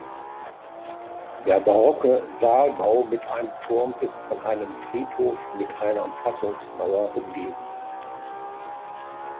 Der barocke Saalbau mit einem Turm ist von einem Friedhof mit einer Umfassungsmauer umgeben.